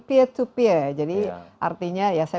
peer to peer jadi artinya ya saya